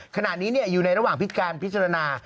ขณะนี้อยู่ในระหว่างพิการพิจารณา